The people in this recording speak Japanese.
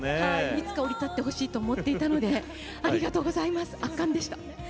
いつか降り立ってほしいと思っていたのでうれしかったです、圧巻でした。